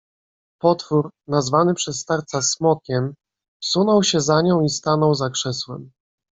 "Potwór, nazwany przez starca Smokiem, wsunął się za nią i stanął za krzesłem."